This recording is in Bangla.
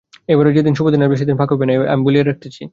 এইবারে যেদিন শুভদিন আসিবে সেদিন ফাঁক যাইবে না, এ আমি বলিয়া রাখিতেছি।